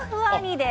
です。